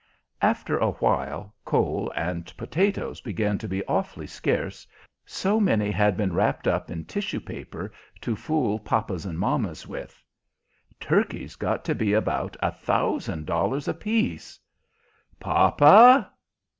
After a while coal and potatoes began to be awfully scarce, so many had been wrapped up in tissue paper to fool papas and mammas with. Turkeys got to be about a thousand dollars apiece "Papa!"